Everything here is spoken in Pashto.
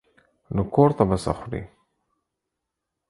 نو کور ته به څه خورې.